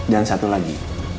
dan satu lagi